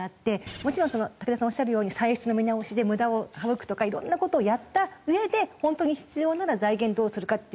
もちろん竹田さんおっしゃるように歳出の見直しで無駄を省くとかいろんな事をやったうえで本当に必要なら財源どうするかっていう。